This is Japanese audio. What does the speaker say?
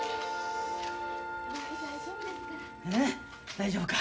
大丈夫か？